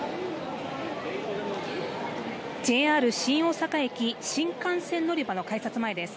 ＪＲ新大阪駅新幹線乗り場の改札前です。